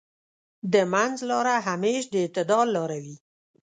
د منځ لاره همېش د اعتدال لاره وي.